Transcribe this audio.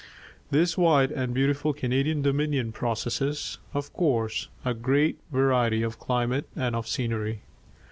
This wide and beautiful Canadian Dominion possesses, of course, a great variety of climate and of scenery.